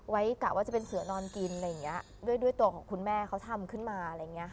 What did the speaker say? ไว้กะว่าจะเป็นเสือนอนกินด้วยตัวของคุณแม่เขาทำขึ้นมา